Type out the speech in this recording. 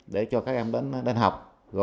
để cho các em đến học